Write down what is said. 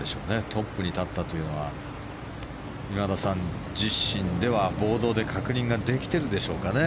トップに立ったというのは今田さん、自身ではボードで確認ができてるでしょうかね。